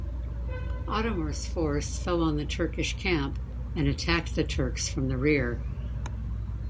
Adhemar's force fell on the Turkish camp, and attacked the Turks from the rear.